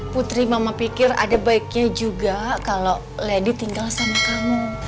putri mama pikir ada baiknya juga kalau lady tinggal sama kamu